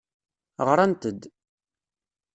Ɣrant-d.